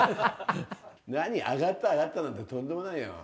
何、上がった、上がったなんてとんでもないよ。